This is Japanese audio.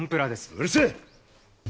うるせえ。